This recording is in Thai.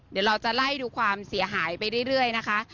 เดี๋ยวเราจะไล่ดูความเสียหายไปเรื่อยนะคะ